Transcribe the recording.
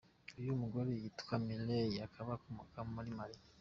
Uyu mugore yitwa Mireille, akaba akomoka muri Mali.